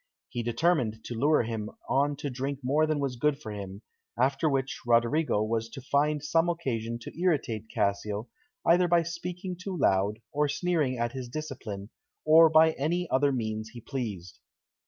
He determined to lure him on to drink more than was good for him, after which Roderigo was to find some occasion to irritate Cassio, either by speaking too loud, or sneering at his discipline, or by any other means he pleased.